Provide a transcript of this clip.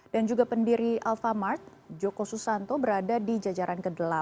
dan juga pendiri alphamart joko susanto berada di jajaran ke delapan